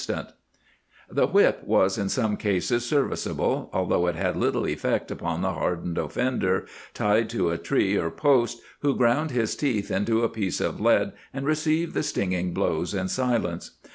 119. [ 173 ] The Private Soldier Under Washington The whip was in some cases serviceable, although it had little "effect upon the hardened offender, tied to a tree or post, who ground his teeth into a piece of lead and received the sting ing blows in silence.